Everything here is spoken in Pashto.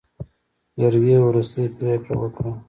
جرګې وروستۍ پرېکړه وکړه.